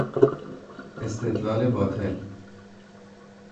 استدلال باطل